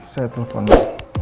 saya telepon pak